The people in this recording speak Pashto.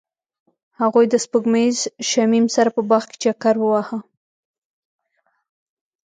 هغوی د سپوږمیز شمیم سره په باغ کې چکر وواهه.